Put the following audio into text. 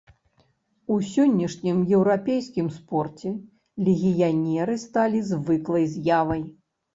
У сённяшнім еўрапейскім спорце легіянеры сталі звыклай з'явай.